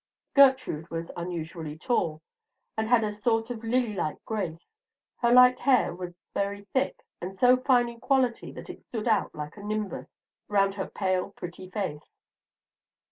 Gertrude was unusually tall, and had a sort of lily like grace; her light hair was very thick, and so fine in quality that it stood out like a nimbus round her pale pretty face.